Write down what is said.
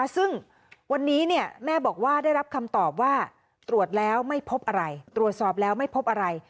ซึ่งวันนี้แม่บอกว่าได้รับคำตอบว่าตรวจแล้วไม่พบอะไรตรวจสอบแล้วไม่พบอะไร